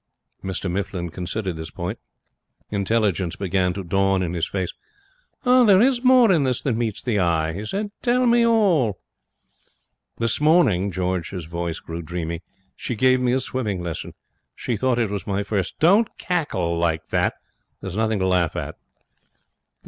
"' Mr Mifflin considered this point. Intelligence began to dawn in his face. 'There is more in this than meets the eye,' he said. 'Tell me all.' 'This morning' George's voice grew dreamy 'she gave me a swimming lesson. She thought it was my first. Don't cackle like that. There's nothing to laugh at.'